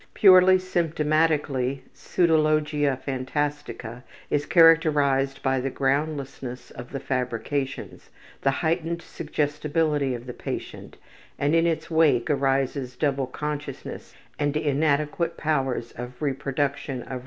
Purely symptomatically pseudologia phantastica is characterized by the groundlessness of the fabrications, the heightened suggestibility of the patient, and in its wake arises double consciousness and inadequate powers of reproduction of reality.